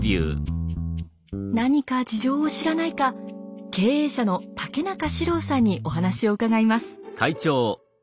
何か事情を知らないか経営者の竹中史朗さんにお話を伺います。